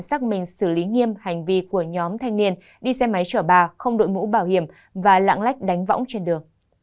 xác minh xử lý nghiêm hành vi của nhóm thanh niên đi xe máy chở bà không đội mũ bảo hiểm và lãng lách đánh võng trên đường